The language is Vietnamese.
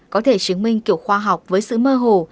có thể chứng minh kiểu khoa học với sự mơ hồ